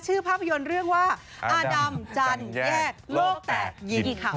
ชื่อภาพยนตร์เรื่องว่าอดำจันแยกโลกแตกกิน